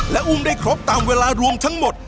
และอุ้มได้ครบตามเวลารวมทั้งหมด